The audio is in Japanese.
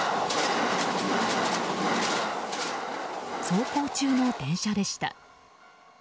走行中の電車でした。